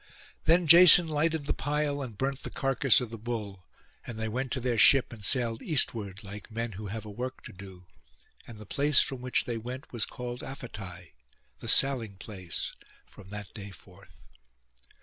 Then Jason lighted the pile, and burnt the carcase of the bull; and they went to their ship and sailed eastward, like men who have a work to do; and the place from which they went was called Aphetai, the sailing place, from that day forth.